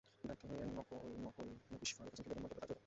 ব্যর্থ হয়ে নকলনবিশ ফারুক হোসেনকে বেদম মারধর করে তাঁরা চলে যান।